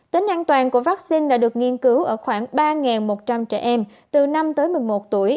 tính an toàn của vaccine đã được nghiên cứu ở khoảng ba một trăm linh trẻ em từ năm tới một mươi một tuổi